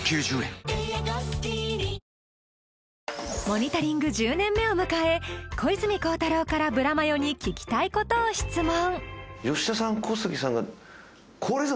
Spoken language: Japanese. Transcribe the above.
「モニタリング」１０年目を迎え小泉孝太郎からブラマヨに聞きたいことを質問